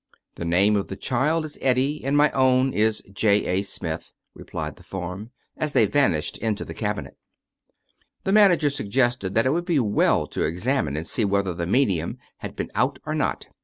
" The name of the child is Eddie, and my own is J. A. Smith," replied the form, as they vanished into the cabinet The manager suggested that it would be well to ex amine and see whether the medium had been out or not.